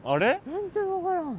全然分からん。